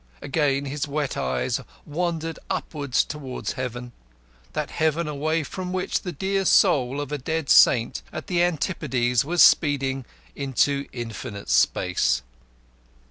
Again his wet eyes wandered upwards towards heaven, that heaven away from which the soul of a dead saint at the Antipodes was speeding into infinite space.